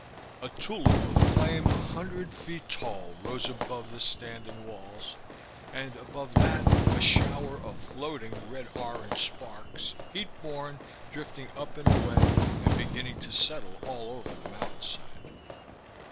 A tulip of flame a hundred feet tall rose above the standing walls, and above that a shower of floating red orange sparks, heat borne, drifting up and away and beginning to settle all over the mountainside.